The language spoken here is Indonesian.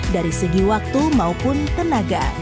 dari segi waktu maupun tenaga